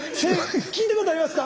聞いたことありますか？